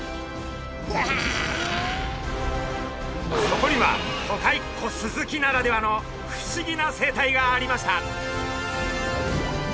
そこには都会っ子スズキならではの不思議な生態がありました！